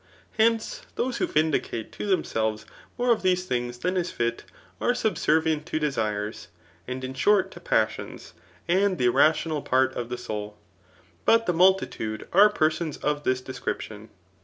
Hence, those, who vindicate to themselves more of these things than is fit, are subservient to desires, and in short to passions, and the irrational part of the soul. But the multitude are per sons of this description.